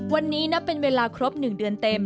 วันนี้นับเป็นเวลาครบ๑เดือนเต็ม